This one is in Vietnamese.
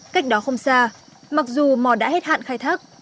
cách đó không xa mặc dù mò đã hết hạn khai thác